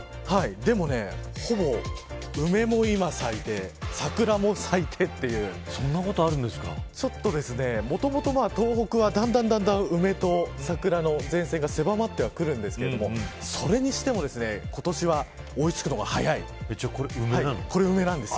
でも梅も咲いて桜も咲いてというもともと東北は、だんだん梅と桜の前線が狭まってはくるんですけどそれにしても今年は追い付くのが早いです。